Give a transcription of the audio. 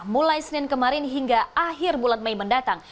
mulai senin kemarin hingga akhir bulan mei mendatang